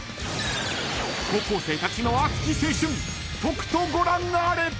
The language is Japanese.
［高校生たちの熱き青春とくとご覧あれ！］